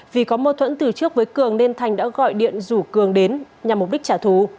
vì có mâu thuẫn từ trước với cường nên thành đã gọi điện rủ cường đến nhằm mục đích trả thù